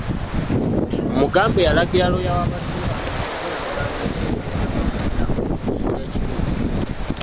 Mugambe yalagira looya w’abasibe bano okukolagana n’ekitongole ky’amakomera okuzuula ekituufu.